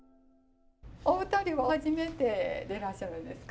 お二人はお初めてでいらっしゃるんですか？